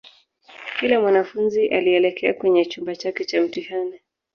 kila mwanafunzi alielekea kwenye chumba chake cha mtihani